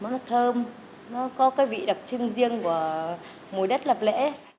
nó thơm nó có cái vị đặc trưng riêng của mùi đất lập lễ